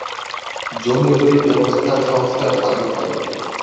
জমি জরিপ ব্যবস্থার সংস্কার সাধন করেন।